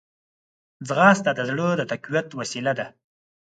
ځغاسته د زړه د تقویت وسیله ده